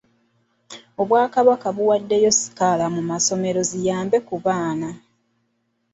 Obwakabaka buwaddeyo sikaala mu masomero ziyambe ku baana.